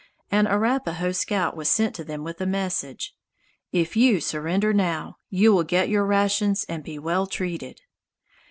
An Arapahoe scout was sent to them with a message. "If you surrender now, you will get your rations and be well treated."